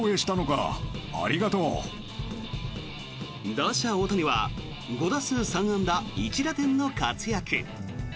打者・大谷は５打数３安打１打点の活躍。